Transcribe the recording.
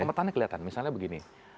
pemetaannya kelihatan misalnya begini